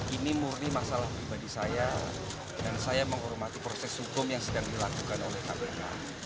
ini murni masalah pribadi saya dan saya menghormati proses hukum yang sedang dilakukan oleh kpk